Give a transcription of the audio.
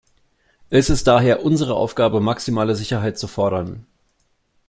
Es ist daher unsere Aufgabe, maximale Sicherheit zu fordern.